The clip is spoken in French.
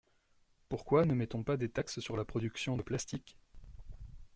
Pourquoi ne met-on pas des taxes sur la production de plastique?